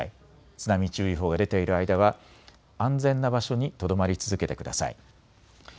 津波注意報が出ている間は安全な場所にとどまり続けてください。